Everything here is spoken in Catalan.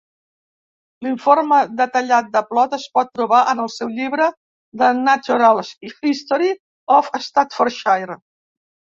L'informe detallat de Plot es pot trobar en el seu llibre "The Natural History of Staffordshire".